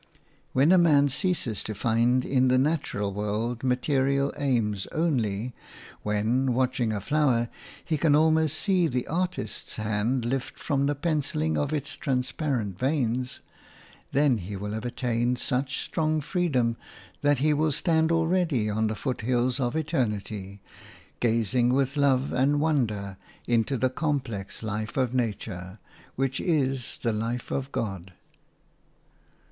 When a man has ceased to find in the natural world material aims only; when, watching a flower, he can almost see the Artist's hand lift from the pencilling of its transparent veins; then he will have attained such strong freedom that he will stand already on the foothills of eternity, gazing with love and wonder into the complex life of nature, which is the life of God.